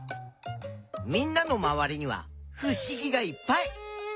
みんなのまわりにはふしぎがいっぱい。